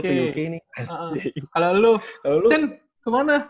kalau lu cen kemana